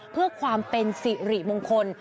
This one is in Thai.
เพื่อความเป็นสิริมงคล